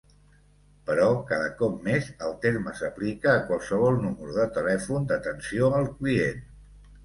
Però cada cop més el terme s'aplica a qualsevol número de telèfon d'atenció al client.